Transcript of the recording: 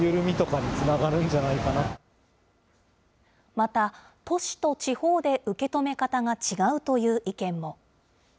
また、都市と地方で受け止め方が違うという意見も。